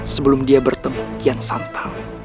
sebelum dia bertemu kian santai